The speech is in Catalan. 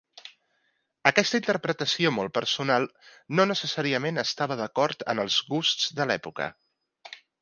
Aquesta interpretació molt personal no necessàriament estava d'acord en els gusts de l'època.